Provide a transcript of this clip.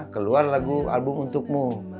keluar lagu album untukmu